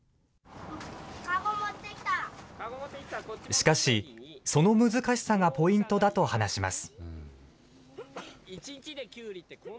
しかし、その難しさがポイントだと話します。